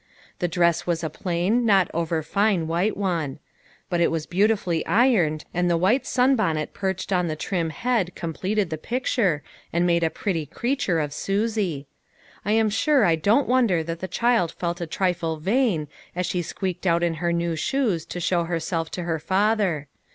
The dress was a plain, not over fine white one ; but it was beautifully ironed, and the white sunbonnet perched on the trim head completed the picture and made a pretty creature of Susie. I am sure I don't wonder that the child felt a trifle vain as she squeaked out in her new shoes to show herself to her father.